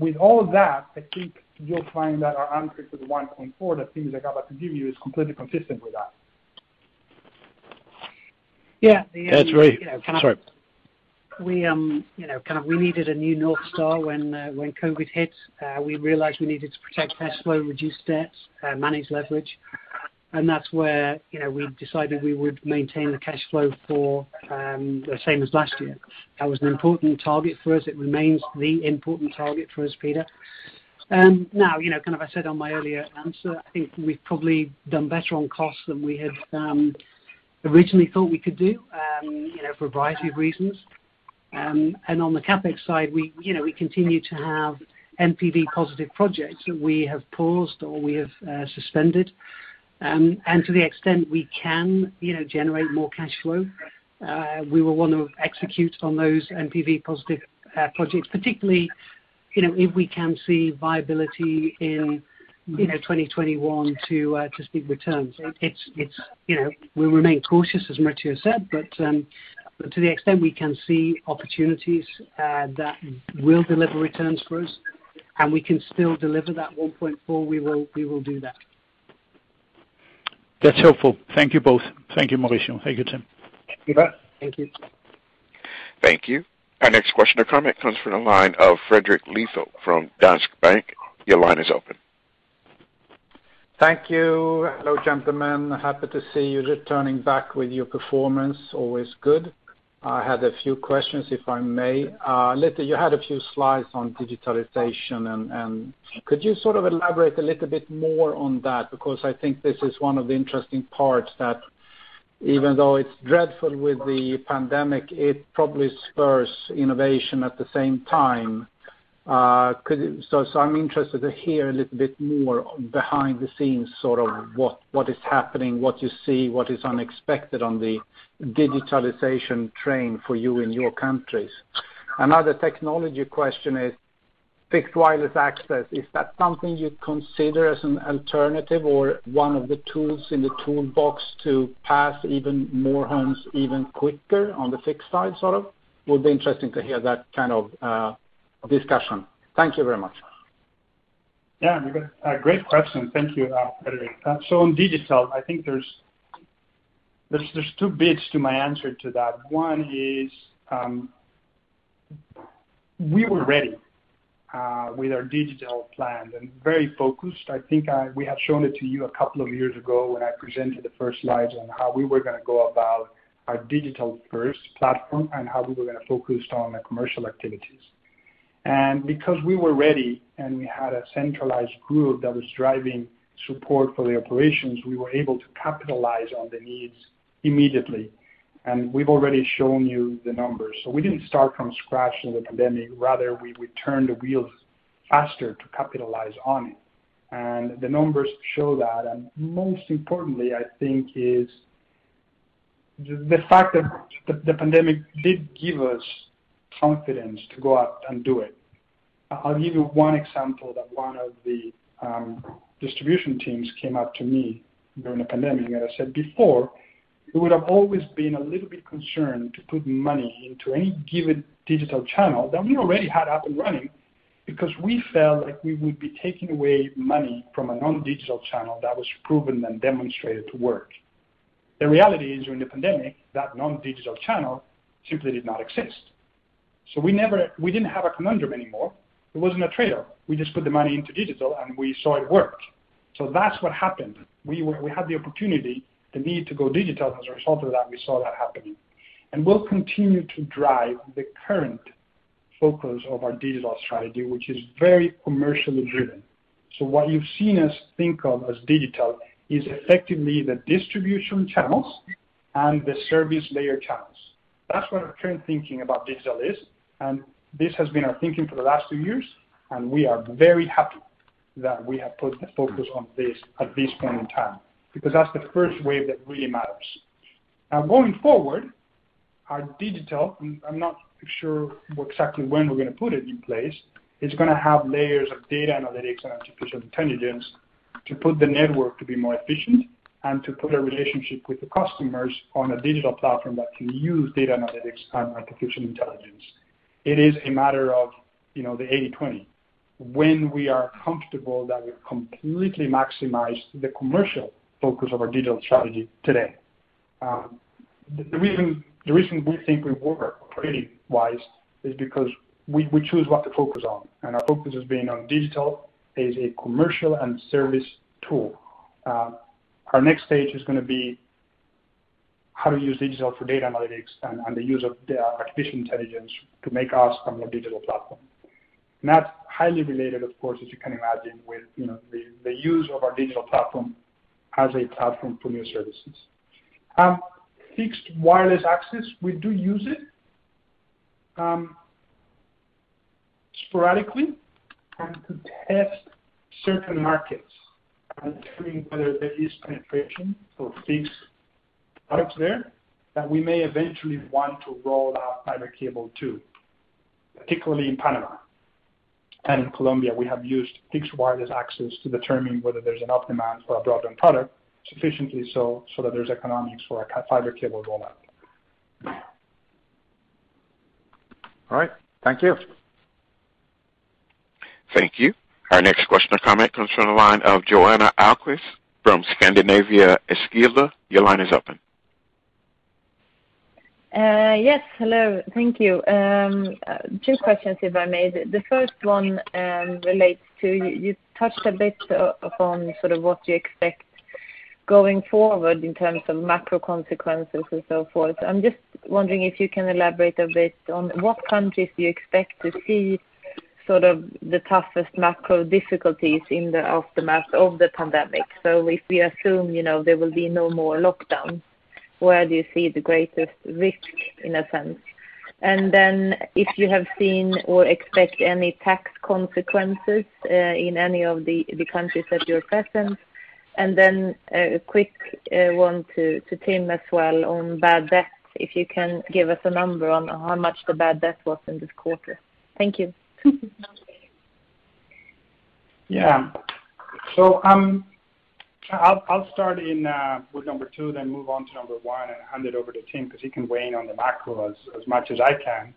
With all of that, I think you'll find that our answer to the 1.4, the things I got to give you is completely consistent with that. Sorry. We needed a new North Star when COVID hit. We realized we needed to protect cash flow, reduce debts, manage leverage. That's where we decided we would maintain the cash flow for the same as last year. That was an important target for us. It remains the important target for us, Peter. Like I said on my earlier answer, I think we've probably done better on costs than we had originally thought we could do for a variety of reasons. On the CapEx side, we continue to have NPV positive projects that we have paused or we have suspended. To the extent we can generate more cash flow, we will want to execute on those NPV positive projects, particularly If we can see viability in 2021 to see returns. We remain cautious, as Mauricio said, but to the extent we can see opportunities that will deliver returns for us and we can still deliver that 1.4, we will do that. That's helpful. Thank you both. Thank you, Mauricio. Thank you, Tim. Thank you, Peter. Thank you. Thank you. Our next question or comment comes from the line of Fredrik Lithell from Danske Bank. Your line is open. Thank you. Hello, gentlemen. Happy to see you returning back with your performance. Always good. I had a few questions, if I may. Later you had a few slides on digitalization, and could you elaborate a little bit more on that? I think this is one of the interesting parts that even though it's dreadful with the pandemic, it probably spurs innovation at the same time. I'm interested to hear a little bit more behind the scenes, sort of what is happening, what you see, what is unexpected on the digitalization train for you in your countries. Another technology question is fixed wireless access. Is that something you'd consider as an alternative or one of the tools in the toolbox to pass even more homes even quicker on the fixed side, sort of? Would be interesting to hear that kind of discussion. Thank you very much. Yeah, Fredrik. Great question. Thank you, Fredrik. On digital, I think there's two bits to my answer to that. One is, we were ready with our digital plan and very focused. I think we have shown it to you a couple of years ago when I presented the first slides on how we were going to go about our digital first platform and how we were going to focus on the commercial activities. Because we were ready and we had a centralized group that was driving support for the operations, we were able to capitalize on the needs immediately. We've already shown you the numbers. We didn't start from scratch in the pandemic. Rather, we turned the wheels faster to capitalize on it. The numbers show that. Most importantly, I think is the fact that the pandemic did give us confidence to go out and do it. I'll give you one example that one of the distribution teams came up to me during the pandemic. I said before, we would have always been a little bit concerned to put money into any given digital channel that we already had up and running, because we felt like we would be taking away money from a non-digital channel that was proven and demonstrated to work. The reality is, during the pandemic, that non-digital channel simply did not exist. We didn't have a conundrum anymore. It wasn't a trade-off. We just put the money into digital, and we saw it worked. That's what happened. We had the opportunity, the need to go digital. As a result of that, we saw that happening. We'll continue to drive the current focus of our digital strategy, which is very commercially driven. What you've seen us think of as digital is effectively the distribution channels and the service layer channels. That's what our current thinking about digital is, and this has been our thinking for the last two years, and we are very happy that we have put the focus on this at this point in time, because that's the first wave that really matters. Going forward, our digital, I'm not sure exactly when we're going to put it in place. It's going to have layers of data analytics and artificial intelligence to put the network to be more efficient and to put a relationship with the customers on a digital platform that can use data analytics and artificial intelligence. It is a matter of the 80/20. When we are comfortable that we've completely maximized the commercial focus of our digital strategy today. The reason we think we work pretty wise is because we choose what to focus on, and our focus has been on digital as a commercial and service tool. Our next stage is going to be how to use digital for data analytics and the use of artificial intelligence to make us a more digital platform. That's highly related, of course, as you can imagine, with the use of our digital platform as a platform for new services. Fixed wireless access, we do use it sporadically and to test certain markets and determine whether there is penetration of fixed products there that we may eventually want to roll out fiber cable, too. Particularly in Panama and Colombia, we have used fixed wireless access to determine whether there's enough demand for a broadband product sufficiently so that there's economics for a fiber cable rollout. All right. Thank you. Thank you. Our next question or comment comes from the line of Johanna Ahlqvist from SEB Enskilda. Your line is open. Yes. Hello. Thank you. Two questions, if I may. The first one relates to, you touched a bit upon sort of what you expect going forward in terms of macro consequences and so forth. I'm just wondering if you can elaborate a bit on what countries do you expect to see sort of the toughest macro difficulties in the aftermath of the pandemic? If we assume there will be no more lockdowns, where do you see the greatest risk, in a sense? If you have seen or expect any tax consequences in any of the countries that you're present. A quick one to Tim as well on bad debts, if you can give us a number on how much the bad debt was in this quarter. Thank you. Yeah. I'll start with number two, then move on to number one and hand it over to Tim, because he can weigh in on the macro as much as I can.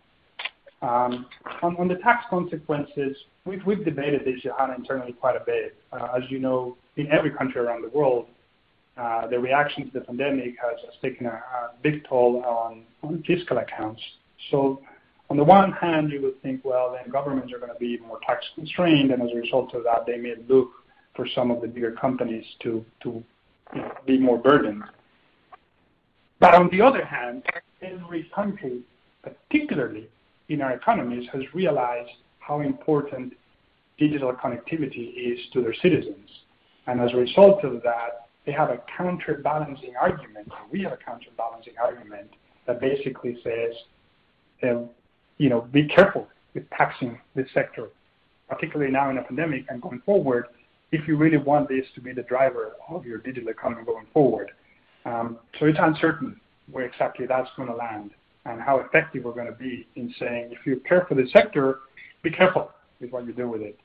On the tax consequences, we've debated this, Johanna, internally quite a bit. As you know, in every country around the world, the reaction to the pandemic has taken a big toll on fiscal accounts. On the one hand, you would think, well, then governments are going to be more tax constrained, and as a result of that, they may look for some of the bigger companies to be more burdened. On the other hand, every country, particularly in our economies, has realized how important digital connectivity is to their citizens. As a result of that, they have a counterbalancing argument, or we have a counterbalancing argument, that basically says, be careful with taxing this sector, particularly now in a pandemic and going forward, if you really want this to be the driver of your digital economy going forward. It's uncertain where exactly that's going to land and how effective we're going to be in saying, "If you care for the sector, be careful with what you do with it."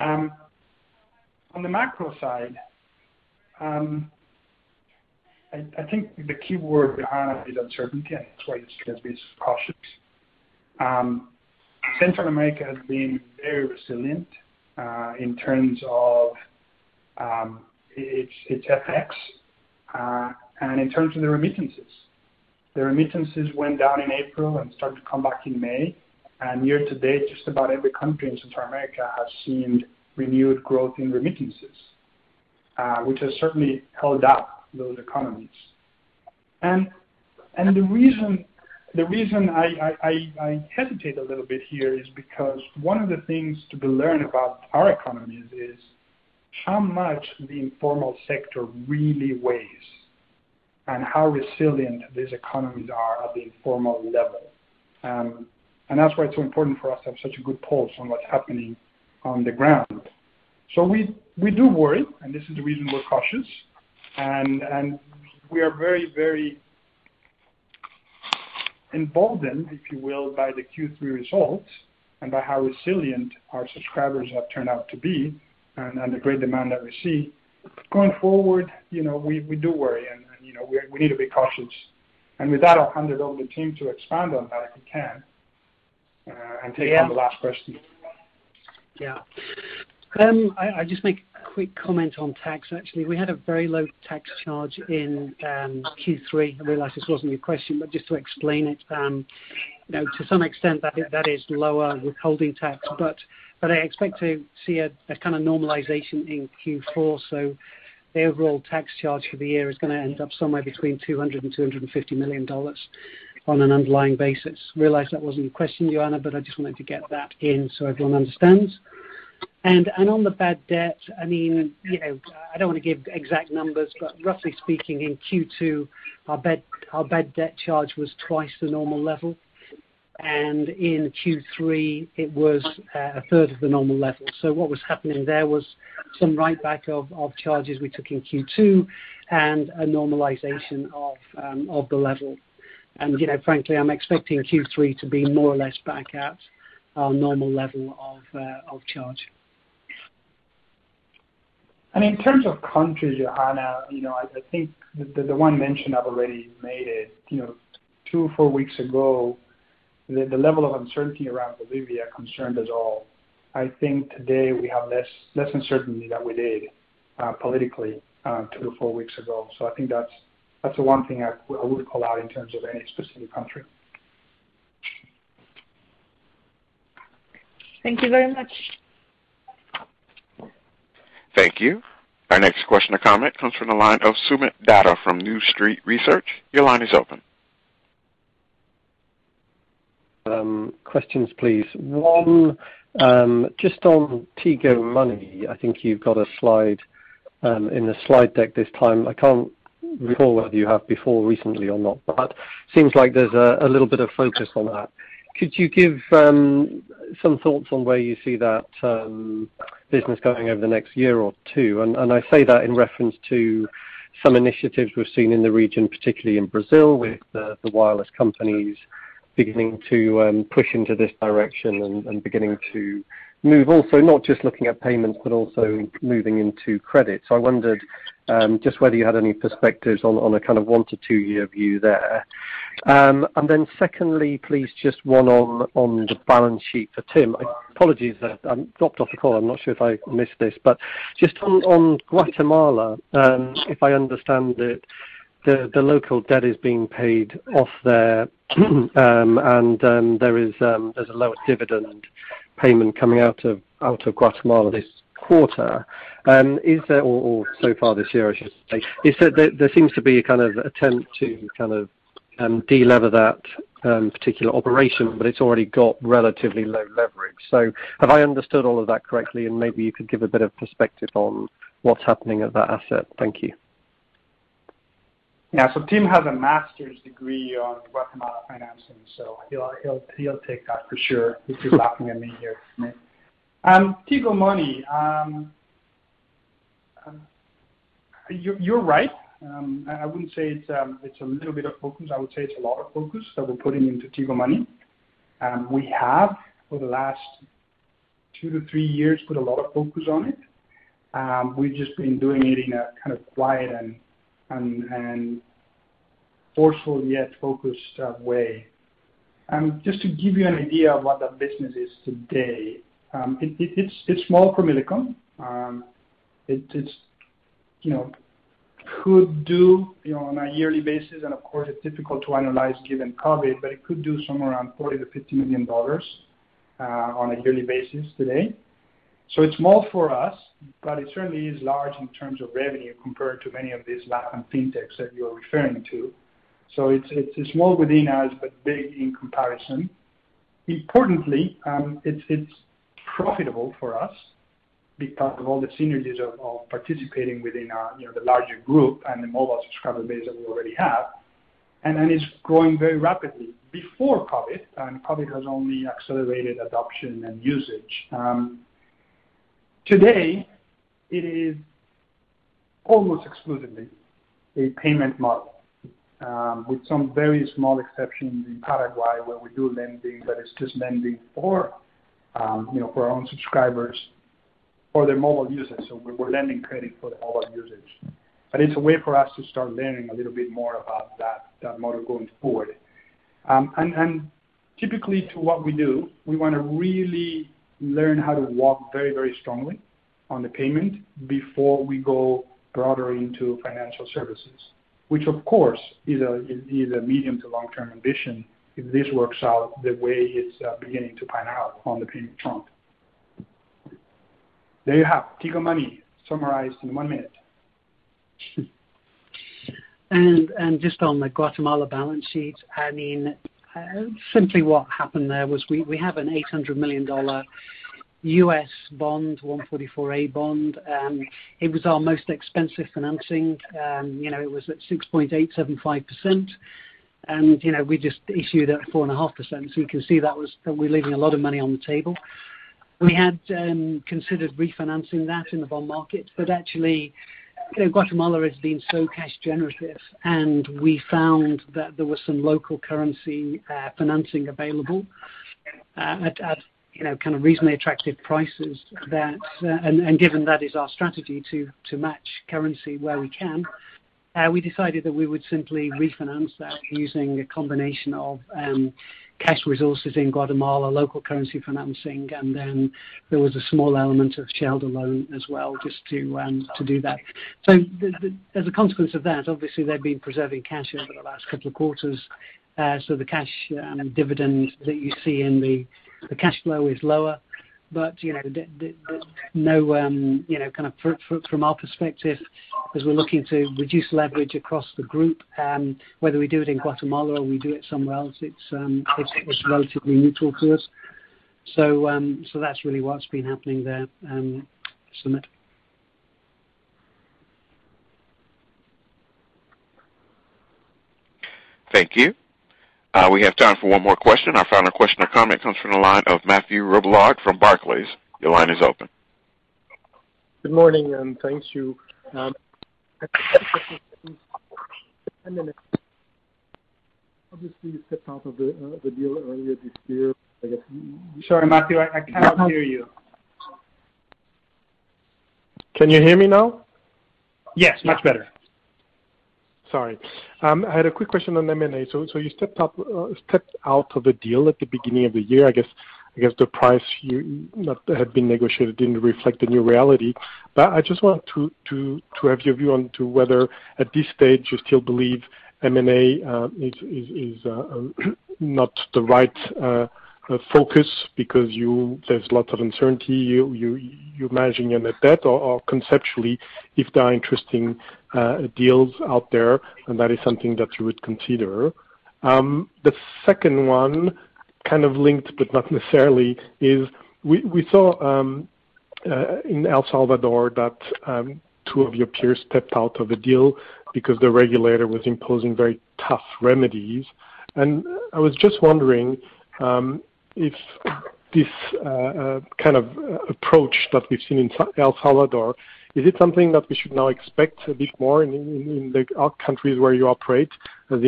On the macro side, I think the key word, Johanna, is uncertainty, and that's why I described it as cautious. Central America has been very resilient, in terms of its FX, and in terms of the remittances. The remittances went down in April and started to come back in May. Year to date, just about every country in Central America has seen renewed growth in remittances, which has certainly held up those economies. The reason I hesitate a little bit here is because one of the things to be learned about our economies is how much the informal sector really weighs and how resilient these economies are at the informal level. That's why it's so important for us to have such a good pulse on what's happening on the ground. We do worry, and this is the reason we're cautious. We are very emboldened, if you will, by the Q3 results and by how resilient our subscribers have turned out to be and the great demand that we see. Going forward, we do worry, and we need to be cautious. With that, I'll hand it over to Tim to expand on that, if he can. Yeah. Take on the last question. I'll just make a quick comment on tax, actually. We had a very low tax charge in Q3. I realize this wasn't your question, but just to explain it. To some extent, I think that is lower withholding tax, but I expect to see a kind of normalization in Q4. The overall tax charge for the year is going to end up somewhere between $200 million and $250 million on an underlying basis. Realize that wasn't your question, Johanna, but I just wanted to get that in so everyone understands. On the bad debt, I don't want to give exact numbers, but roughly speaking, in Q2, our bad debt charge was twice the normal level. In Q3, it was a third of the normal level. What was happening there was some write back of charges we took in Q2 and a normalization of the level. Frankly, I'm expecting Q3 to be more or less back at our normal level of charge. In terms of countries, Johanna, I think the one mention I've already made is two to four weeks ago, the level of uncertainty around Bolivia concerned us all. I think today we have less uncertainty than we did politically two to four weeks ago. I think that's the one thing I would call out in terms of any specific country. Thank you very much. Thank you. Our next question or comment comes from the line of Soomit Datta from New Street Research. Your line is open. Questions, please. One, just on Tigo Money. I think you've got a slide in the slide deck this time. I can't recall whether you have before recently or not, seems like there's a little bit of focus on that. Could you give some thoughts on where you see that business going over the next year or two? I say that in reference to some initiatives we've seen in the region, particularly in Brazil, with the wireless companies beginning to push into this direction and beginning to move also, not just looking at payments, but also moving into credit. I wondered just whether you had any perspectives on a kind of one to two year view there. Secondly, please, just one on the balance sheet for Tim. Apologies that I dropped off the call. I'm not sure if I missed this. Just on Guatemala, if I understand it, the local debt is being paid off there and there's a lower dividend payment coming out of Guatemala this quarter. So far this year, I should say. There seems to be a kind of attempt to de-lever that particular operation, but it's already got relatively low leverage. Have I understood all of that correctly, and maybe you could give a bit of perspective on what's happening at that asset? Thank you. Yeah. Tim has a master's degree on Guatemala financing, so he'll take that for sure. He's just laughing at me here. Tigo Money. You're right. I wouldn't say it's a little bit of focus. I would say it's a lot of focus that we're putting into Tigo Money. We have, for the last two to three years, put a lot of focus on it. We've just been doing it in a kind of quiet and forceful, yet focused way. Just to give you an idea of what that business is today, it's small for Millicom. It could do on a yearly basis, and of course, it's difficult to analyze given COVID, but it could do somewhere around $40 million-$50 million on a yearly basis today. It's small for us, but it certainly is large in terms of revenue compared to many of these Latin fintechs that you're referring to. It's small within us, but big in comparison. Importantly, it's profitable for us because of all the synergies of participating within the larger group and the mobile subscriber base that we already have. It's growing very rapidly before COVID, and COVID has only accelerated adoption and usage. Today it is almost exclusively a payment model, with some very small exceptions in Paraguay where we do lending, but it's just lending for our own subscribers for their mobile usage. We're lending credit for the mobile usage. It's a way for us to start learning a little bit more about that model going forward. Typically to what we do, we want to really learn how to walk very strongly on the payment before we go broader into financial services, which of course is a medium to long-term ambition if this works out the way it's beginning to pan out on the payment front. There you have Tigo Money summarized in one minute. Just on the Guatemala balance sheet, simply what happened there was we have an $800 million U.S. bond, 144A bond. It was our most expensive financing. It was at 6.875%, and we just issued at 4.5%. You can see that we're leaving a lot of money on the table. We had considered refinancing that in the bond market, actually, Guatemala has been so cash generative, and we found that there was some local currency financing available at reasonably attractive prices. Given that is our strategy to match currency where we can, we decided that we would simply refinance that using a combination of cash resources in Guatemala, local currency financing, and then there was a small element of shareholder loan as well just to do that. As a consequence of that, obviously, they've been preserving cash over the last couple of quarters. The cash dividend that you see in the cash flow is lower. From our perspective, as we're looking to reduce leverage across the group, whether we do it in Guatemala or we do it somewhere else, it's relatively neutral to us. That's really what's been happening there. Soomit. Thank you. We have time for one more question. Our final question or comment comes from the line of Mathieu Robilliard from Barclays. Your line is open. Good morning. Thanks to you. I have a quick question, please. Obviously, you stepped out of the deal earlier this year. Sorry, Mathieu, I cannot hear you. Can you hear me now? Yes, much better. Sorry. I had a quick question on M&A. You stepped out of the deal at the beginning of the year. I guess the price that had been negotiated didn't reflect the new reality. I just want to have your view on to whether at this stage you still believe M&A is not the right focus because there's lots of uncertainty, you're managing net debt, or conceptually, if there are interesting deals out there, and that is something that you would consider. The second one, kind of linked but not necessarily, is we saw in El Salvador that two of your peers stepped out of the deal because the regulator was imposing very tough remedies. I was just wondering if this kind of approach that we've seen in El Salvador, is it something that we should now expect a bit more in the countries where you operate, as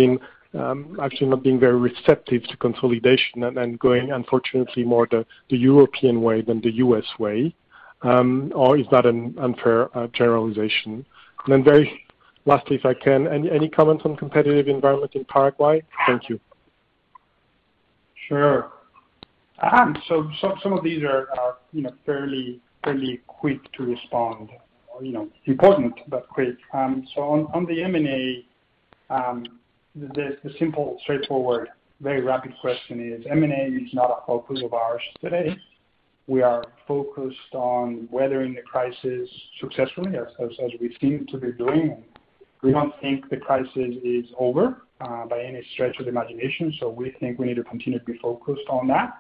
in actually not being very receptive to consolidation and going, unfortunately, more the European way than the U.S. way? Is that an unfair generalization? Then very lastly, if I can, any comments on competitive environment in Paraguay? Thank you. Sure. Some of these are fairly quick to respond or important but quick. On the M&A, the simple, straightforward, very rapid question is, M&A is not a focus of ours today. We are focused on weathering the crisis successfully, as we seem to be doing. We don't think the crisis is over by any stretch of the imagination. We think we need to continue to be focused on that,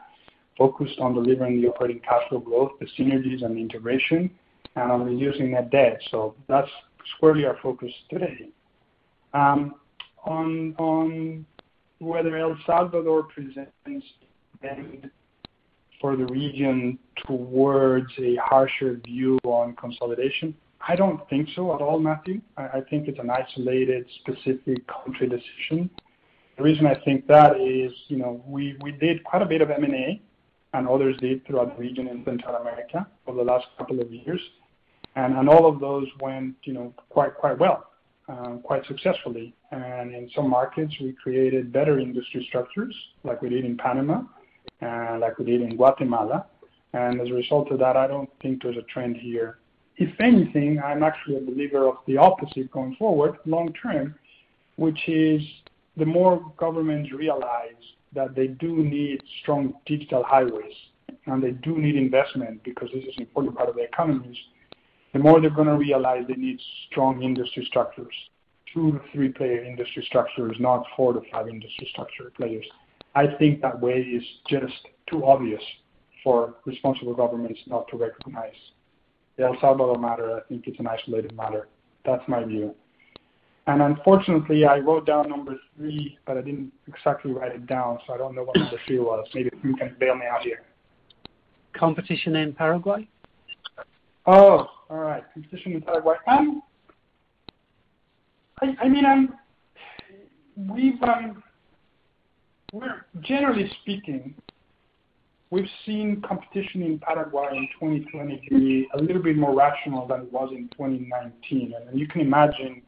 focused on delivering the operating cash flow growth, the synergies, and the integration, and on reducing that debt. That's squarely our focus today. On whether El Salvador presents things for the region towards a harsher view on consolidation, I don't think so at all, Matthieu. I think it's an isolated, specific country decision. The reason I think that is, we did quite a bit of M&A, and others did throughout the region in Central America over the last couple of years. All of those went quite well, quite successfully. In some markets, we created better industry structures, like we did in Panama, and like we did in Guatemala. As a result of that, I don't think there's a trend here. If anything, I'm actually a believer of the opposite going forward long term, which is the more governments realize that they do need strong digital highways, and they do need investment because this is an important part of their economies, the more they're going to realize they need strong industry structures. Two to three-player industry structure is not four to five industry structure players. I think that way is just too obvious for responsible governments not to recognize. The El Salvador matter, I think it's an isolated matter. That's my view. Unfortunately, I wrote down number three, but I didn't exactly write it down, so I don't know what number three was. Maybe you can bail me out here. Competition in Paraguay? Oh, all right. Competition in Paraguay. Generally speaking, we've seen competition in Paraguay in 2020 to be a little bit more rational than it was in 2019. You can imagine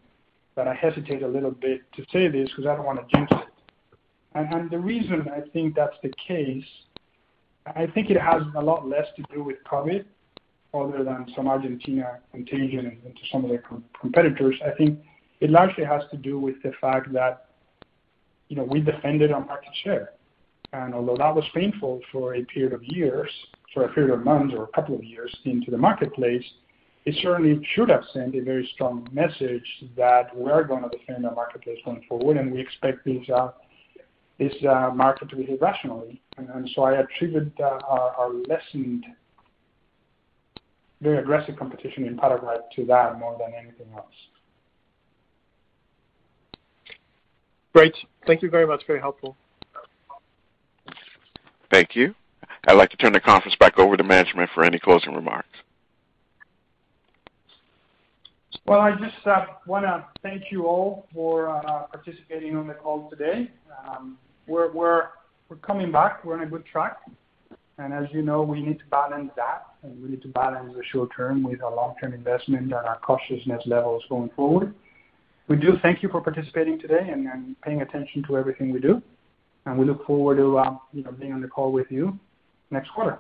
that I hesitate a little bit to say this because I don't want to jinx it. The reason I think that's the case, I think it has a lot less to do with COVID other than some Argentina contagion into some of their competitors. I think it largely has to do with the fact that we defended our market share. Although that was painful for a period of years, for a period of months or a couple of years into the marketplace, it certainly should have sent a very strong message that we're going to defend the marketplace going forward, and we expect this market to behave rationally. I attribute our lessened very aggressive competition in Paraguay to that more than anything else. Great. Thank you very much. Very helpful. Thank you. I'd like to turn the conference back over to management for any closing remarks. Well, I just want to thank you all for participating on the call today. We're coming back. We're on a good track. As you know, we need to balance that, and we need to balance the short term with our long-term investment and our cautiousness levels going forward. We do thank you for participating today and paying attention to everything we do, and we look forward to being on the call with you next quarter.